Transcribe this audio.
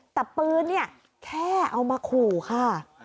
แต่ปืนเนี่ยแค่เอามาขู่ค่ะ